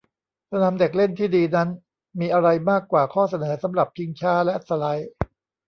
สนามเด็กเล่นที่ดีนั้นมีอะไรมากกว่าข้อเสนอสำหรับชิงช้าและสไลด์